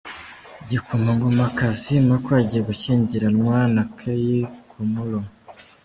Igikomangomakazi Mako agiye gushyingiranwa na Kei Komuro.